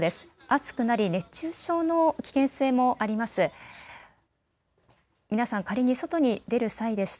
暑くなり熱中症の危険性もあります。